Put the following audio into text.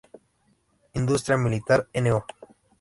Industria Militar No.